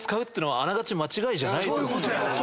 そういうことや。